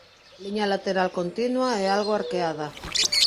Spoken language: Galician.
Liña lateral continua e algo arqueada.